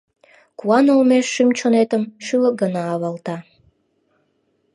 Куан олмеш шӱм-чонетым шӱлык гына авалта.